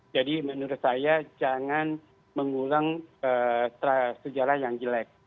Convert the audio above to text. jadi menurut saya jangan mengulang sejarah yang jelek